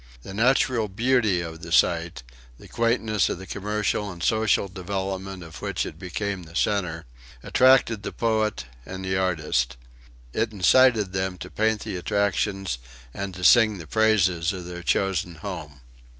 The natural beauty of the site, the quaintness of the commercial and social development of which it became the centre, attracted the poet and the artist. It incited them to paint the attractions and to sing the praises of their chosen home.